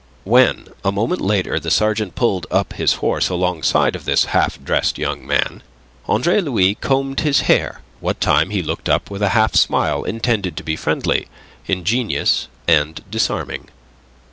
When a moment later the sergeant pulled up his horse alongside of this half dressed young man, Andre Louis combed his hair what time he looked up with a half smile, intended to be friendly, ingenuous, and disarming.